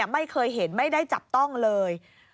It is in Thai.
ไม่เคยเห็นไม่ได้จับต้องเลย